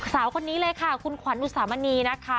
สาวคนนี้เลยค่ะคุณขวัญอุสามณีนะคะ